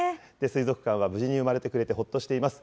水族館は、無事に産まれてくれてほっとしています。